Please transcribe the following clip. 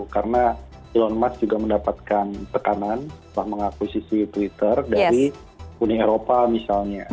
karena elon musk juga mendapatkan tekanan mengakui sisi twitter dari uni eropa misalnya